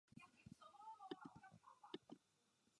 Na různých úrovních ovládá osm různých jazyků.